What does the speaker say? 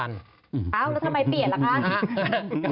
อ้าวแล้วทำไมเปลี่ยนคะ